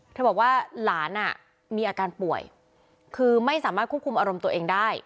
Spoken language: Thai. บอกว่าหลานมีอาการป่วยคือไม่สามารถควบคุมอารมณ์ตัวเองได้